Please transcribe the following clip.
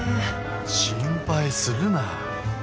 心配するな。